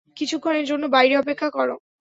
কিছুক্ষণের জন্য বাইরে অপেক্ষা করো।